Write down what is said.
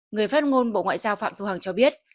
người phát ngôn bộ ngoại giao phạm thu hằng cho biết